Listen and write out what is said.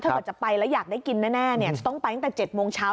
เผื่อจะไปแล้วอยากได้กินแน่จะต้องไปตั้งแต่๗โมงเช้า